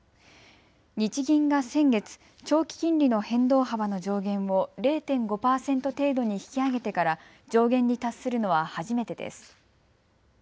日銀が先月、長期金利の変動幅の上限を０．５％程度に引き上げてから上限に達するのは初めてです。